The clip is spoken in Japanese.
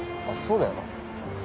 あっそうだよな。